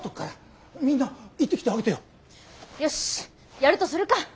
やるとするか。